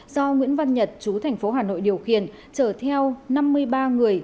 do nguyễn văn nhật chú thành phố hà nội điều khiển chở theo năm mươi ba người